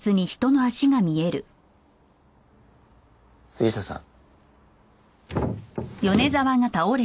杉下さん。